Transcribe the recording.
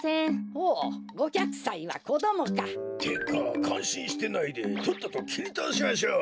ほう５００さいはこどもか。ってかかんしんしてないでとっとときりたおしましょう。